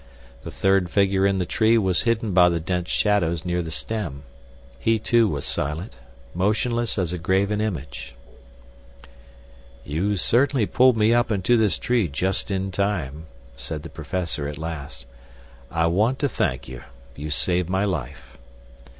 The third figure in the tree was hidden by the dense shadows near the stem. He, too, was silent—motionless as a graven image. "You certainly pulled me up into this tree just in time," said the professor at last. "I want to thank you. You saved my life."